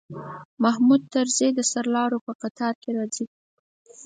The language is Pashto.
محمود طرزی د سرلارو په قطار کې راځي.